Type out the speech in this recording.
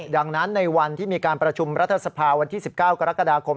ดังนั้นในวันที่มีการประชุมรัฐสภาวันที่๑๙กรกฎาคม